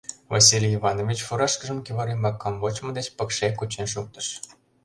Василий Иванович фуражкыжым кӱвар ӱмбак камвочмо деч пыкше кучен шуктыш.